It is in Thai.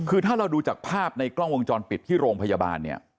คือถ้าเราดูจากภาพในกล้องวงจรปิดที่โรงพยาบาลเนี่ย